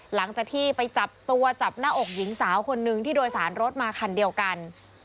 หลังจากที่ไปจับตัวจับหน้าอกหญิงสาวคนนึงที่โดยสารรถมาคันเดียวกัน